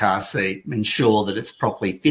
pastikan bahwa itu terpapar